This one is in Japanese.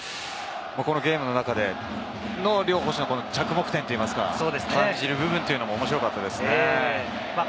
このゲームの中での両捕手の着目点を感じる部分が面白かったですね。